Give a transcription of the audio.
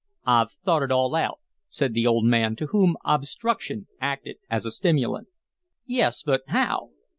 "I've thought it all out," said the old man, to whom obstruction acted as a stimulant. "Yes but how?"